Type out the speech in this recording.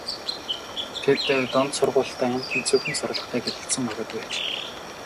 Тэд дунд сургуульдаа эн тэнцүүхэн сурлагатай гялалзсан охид байж.